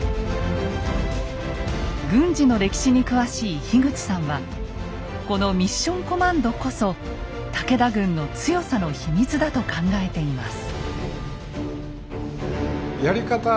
軍事の歴史に詳しい口さんはこのミッション・コマンドこそ武田軍の強さの秘密だと考えています。